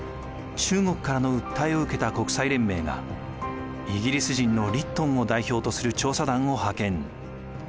中国からの訴えを受けた国際連盟がイギリス人のリットンを代表とする調査団を派遣。